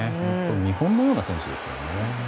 見本のような選手ですね。